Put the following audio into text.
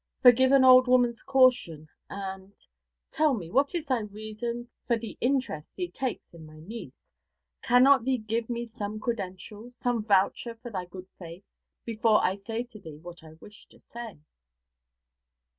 Forgive an old woman's caution, and tell me what is thy reason for the interest thee takes in my niece? Cannot thee give me some credential, some voucher for thy good faith, before I say to thee what I wish to say?'